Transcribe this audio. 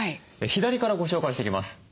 左からご紹介していきます。